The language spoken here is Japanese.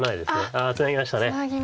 ああツナぎました。